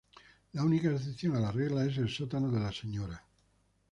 La única excepción a la regla es el sótano de la Sra.